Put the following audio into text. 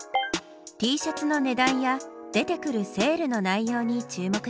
Ｔシャツの値段や出てくるセールの内容に注目してね。